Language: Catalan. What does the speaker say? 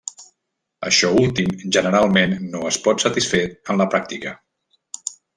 Això últim generalment no es pot satisfer en la pràctica.